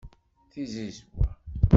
Tizizwa